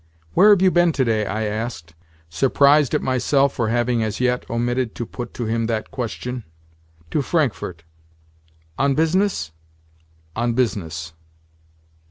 "Where have you been today?" I asked—surprised at myself for having, as yet, omitted to put to him that question. "To Frankfort." "On business?" "On business."